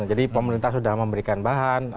jadi pemerintah sudah memberikan bahan